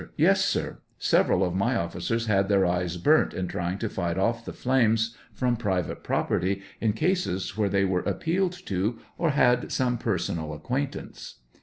Yes, sir ; several of my officers had their eyes burnt in trying to fight off the flames from private property in cases where they were appealed to, or had some personal acquaintance.